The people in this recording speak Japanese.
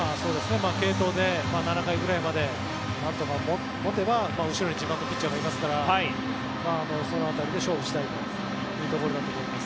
継投で７回ぐらいまでなんとか持てば後ろに自慢のピッチャーがいますからその辺りで勝負したいだろうというところだと思います。